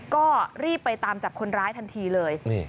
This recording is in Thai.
ก็รีบไปตามจับคนร้ายทันทีเลย